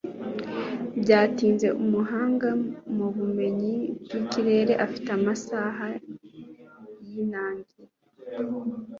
Byatinze umuhanga mu bumenyi bw'ikirere afite amasaha yinangiye